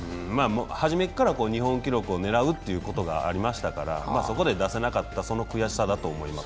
初めから日本記録を狙うということがありましたからそこで出せなかったその悔しさだと思います。